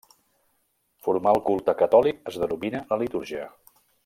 Formal culte catòlic es denomina la litúrgia.